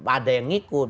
ada yang ikut